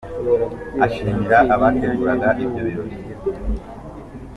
Ashimira abateguraga ibyo birori